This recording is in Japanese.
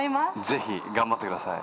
ぜひ頑張ってください。